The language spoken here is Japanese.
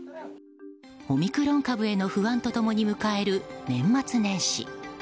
オミクロン株への不安と共に迎える年末年始。